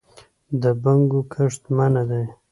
د بنګو کښت منع دی